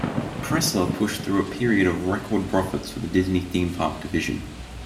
Pressler pushed through a period of record profits for the Disney theme park division.